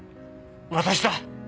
私だ。